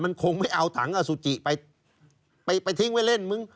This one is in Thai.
มันคงไม่เอาถังอสุจิไปไปทิ้งไว้เล่นมึง